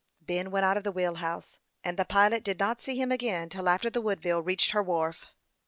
Ben went out of the wheel house, and the pilot did not see him again till after the Woodville reached her wharf.